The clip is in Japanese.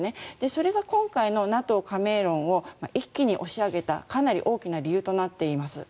それが今回のＮＡＴＯ加盟論を一気に押し上げたかなり大きな理由となっています。